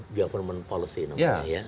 government policy namanya ya